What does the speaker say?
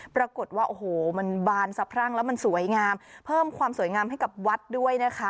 ปรากฏว่าโอ้โหมันบานสะพรั่งแล้วมันสวยงามเพิ่มความสวยงามให้กับวัดด้วยนะคะ